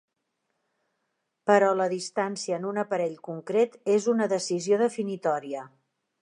Però la distància en un aparell concret és una decisió definitòria.